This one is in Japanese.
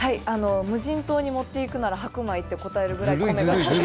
無人島に持っていくなら白米と答えるぐらい大好きです。